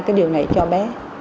cái điều này cho bé